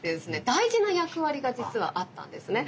大事な役割が実はあったんですね。